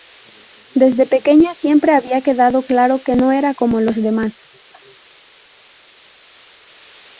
Desde pequeña siempre había quedado claro que no era como los demás.